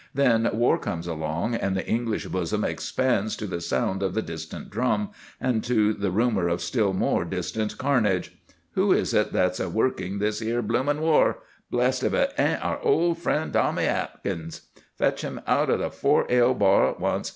Then war comes along, and the English bosom expands to the sound of the distant drum, and to the rumour of still more distant carnage. Who is it that's a working this 'ere blooming war? Blest if it ain't our old friend Tommy Atkins! Fetch him out of the four ale bar at once.